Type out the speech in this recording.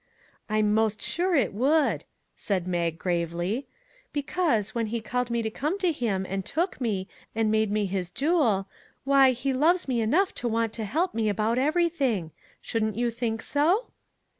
" I'm 'most sure it would," said Mag gravely; " because, when he called me to come to him, and took me, and made me his jewel, why he loves me enough to want to help me about everything. Shouldn't you think so